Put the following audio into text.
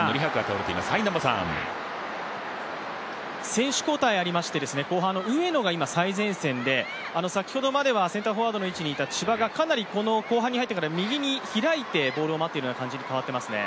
選手交代ありまして、上野が最前線で先ほどまではセンターフォワードの位置にいた千葉がかなりこの後半に入ってから右に開いてボールを待っているような感じに変わっていますね。